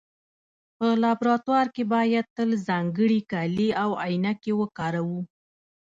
په لابراتوار کې باید تل ځانګړي کالي او عینکې وکاروو.